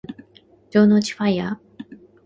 城之内ファイアー